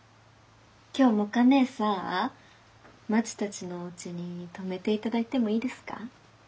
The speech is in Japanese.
今日もか姉さあまちたちのおうちに泊めて頂いてもいいですか？